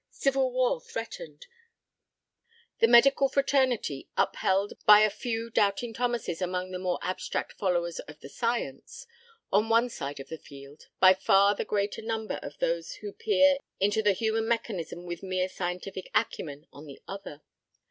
Civil war threatened: the medical fraternity, upheld by a few doubting Thomases among the more abstract followers of the science, on one side of the field, by far the greater number of those who peer into the human mechanism with mere scientific acumen on the other.